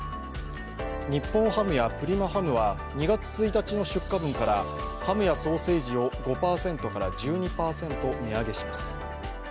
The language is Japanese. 日本ハムやプリマハムは２月１日の出荷分からハムやソーセージを５％から１２％値上げします。